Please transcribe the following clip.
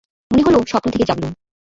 মনে হল স্বপ্ন থেকে জাগলুম।